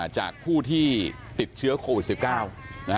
จากผู้ที่ติดเชื้อโควิด๑๙